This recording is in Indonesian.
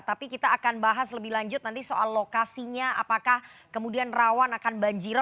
tapi kita akan bahas lebih lanjut nanti soal lokasinya apakah kemudian rawan akan banjir